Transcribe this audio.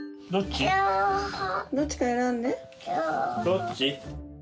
どっち？